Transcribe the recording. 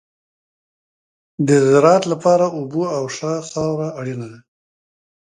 د زراعت لپاره اوبه او ښه خاوره اړینه ده.